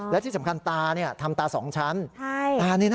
และที่สำคัญตาทำตา๒ชั้น